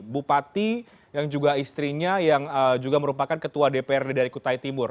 bupati yang juga istrinya yang juga merupakan ketua dprd dari kutai timur